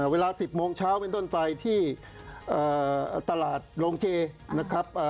เวลา๑๐โมงเช้าเป็นต้นไปที่ตลาดโรงเจนะครับ